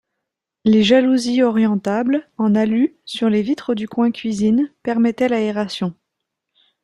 Les jalousies orientables, en alu, sur les vitres du coin cuisine, permettaient l'aération.